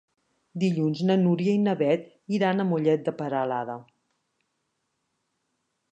Dilluns na Núria i na Beth iran a Mollet de Peralada.